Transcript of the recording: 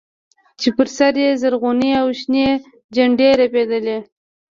چې پر سر يې زرغونې او شنې جنډې رپېدلې.